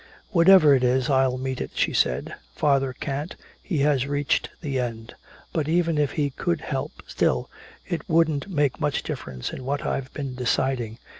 "Whatever it is, I'll meet it," she said. "Father can't, he has reached the end. But even if he could help still, it wouldn't make much difference in what I've been deciding.